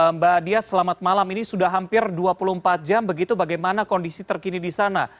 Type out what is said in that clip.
mbak dias selamat malam ini sudah hampir dua puluh empat jam begitu bagaimana kondisi terkini di sana